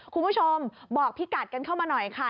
คุณผู้ชมบอกพี่กัดกันเข้ามาหน่อยค่ะ